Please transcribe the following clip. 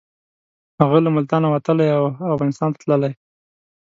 هغه له ملتانه وتلی او افغانستان ته تللی.